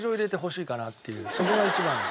そこが一番の。